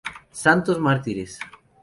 Santos Mártires